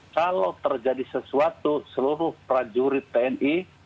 kalau terjadi sesuatu seluruh prajurit tni